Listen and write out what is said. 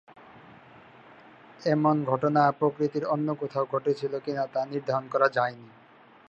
এমন ঘটনা প্রকৃতির অন্য কোথাও ঘটেছিল কিনা তা নির্ধারণ করা যায়নি।